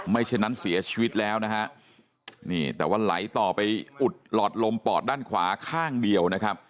ฉะนั้นเสียชีวิตแล้วนะฮะนี่แต่ว่าไหลต่อไปอุดหลอดลมปอดด้านขวาข้างเดียวนะครับ